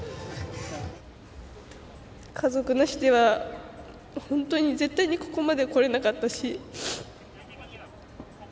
家族なしでは本当に絶対にここまで来れなかったし。